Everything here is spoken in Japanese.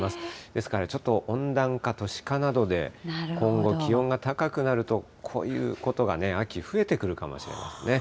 ですから、ちょっと温暖化、都市化などで、今後、気温が高くなると、こういうことがね、秋、増えてくるかもしれませんね。